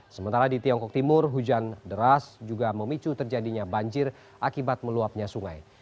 sementara di tiongkok timur hujan deras juga memicu terjadinya banjir akibat meluapnya sungai